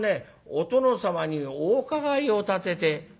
お殿様にお伺いを立てて」。